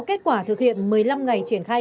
kết quả thực hiện một mươi năm ngày triển khai